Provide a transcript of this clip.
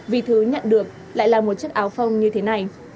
vì thứ nhận được lại là một chiếc áo phông như thế này